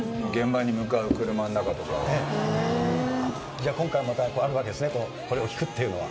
じゃ今回もまたあるわけですねこれを聴くっていうのは。